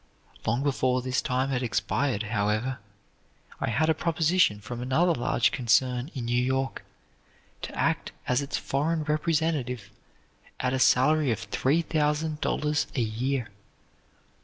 Long before this time had expired, however, I had a proposition from another large concern in New York to act as its foreign representative at a salary of three thousand dollars a year.